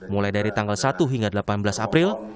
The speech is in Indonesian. mulai dari tanggal satu hingga delapan belas april